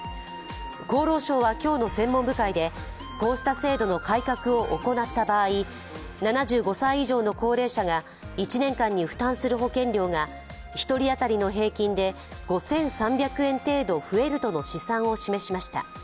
厚労省は今日の専門部会でこうした制度の改革を行った場合７５歳以上の高齢者が１年間に負担する保険料が１人当たりの平均で５３００円程度増えるとの試算を示しました。